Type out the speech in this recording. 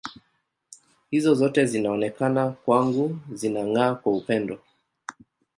Hizo zote zinaonekana kwangu zinang’aa kwa upendo.